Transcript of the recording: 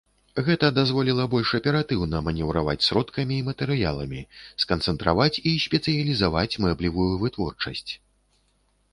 Гэта дазволіла больш аператыўна манеўраваць сродкамі і матэрыяламі, сканцэнтраваць і спецыялізаваць мэблевую вытворчасць.